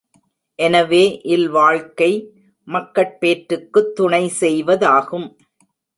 எனவே இல்வாழ்க்கை மக்கட்பேற்றுக்குத் துணை செய்வதாகும்.